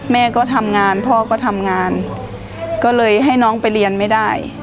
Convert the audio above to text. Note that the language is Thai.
แม่ก็ทำงานพ่อก็ทำงานก็เลยให้น้องไปเรียนไม่ได้